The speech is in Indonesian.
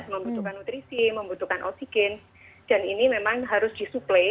membutuhkan nutrisi membutuhkan oksigen dan ini memang harus disuplai